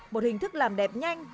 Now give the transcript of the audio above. một hình thức làm đẹp nhanh